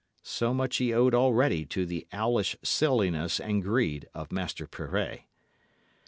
So much he owed already to the owlish silliness and greed of Master Pirret.